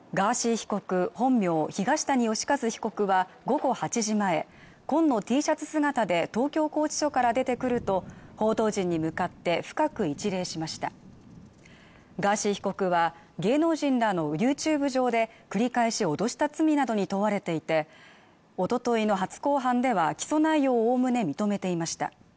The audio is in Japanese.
被告本名・東谷義和被告は午後８時前紺のＴシャツ姿で東京拘置所から出てくると報道陣に向かって深く一礼しましたガーシー被告は芸能人らのＹｏｕＴｕｂｅ上で繰り返し脅した罪などに問われていておとといの初公判では起訴内容をおおむね認めていました